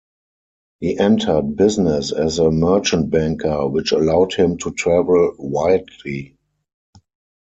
He entered business as a merchant banker, which allowed him to travel widely.